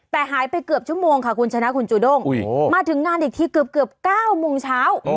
แต่หายไปเกือบชั่วโมงค่ะคุณชนะคุณจูด้งมาถึงงานอีกทีเกือบ๙โมงเช้า